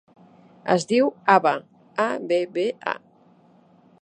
Es diu Abba: a, be, be, a.